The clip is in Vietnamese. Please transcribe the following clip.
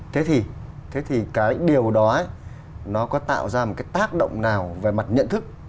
thế thì cái điều đó nó có tạo ra một cái tác động nào về mặt nhận thức